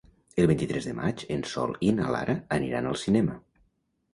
El vint-i-tres de maig en Sol i na Lara aniran al cinema.